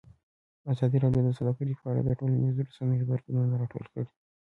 ازادي راډیو د سوداګري په اړه د ټولنیزو رسنیو غبرګونونه راټول کړي.